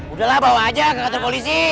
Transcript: udahlah bawa aja ke kantor polisi